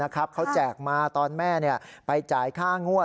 เขาแจกมาตอนแม่ไปจ่ายค่างวด